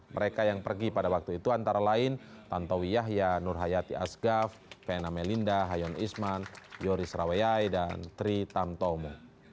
mereka yang pergi pada waktu itu antara lain tantowi yahya nur hayati asgaf pena melinda hayon isman yoris raweyai dan tri tamtomo